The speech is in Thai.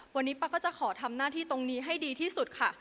วันนี้ป๊าก็จะขอทำหน้าที่ตรงนี้ให้ดีที่สุดค่ะ